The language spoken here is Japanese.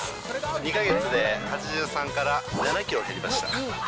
２か月で８３から７キロ減りました。